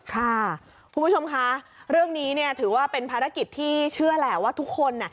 ค่ะผู้ชมค่ะเรื่องนี้ถือว่าเป็นภารกิจที่เชื่อแล้วว่าทุกคน